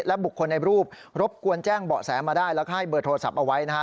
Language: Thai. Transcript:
บุคคลในรูปรบกวนแจ้งเบาะแสมาได้แล้วก็ให้เบอร์โทรศัพท์เอาไว้นะฮะ